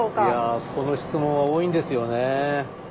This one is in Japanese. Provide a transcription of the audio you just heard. いやこの質問は多いんですよね。